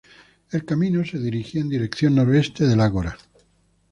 El camino se dirigía en dirección noreste del Ágora.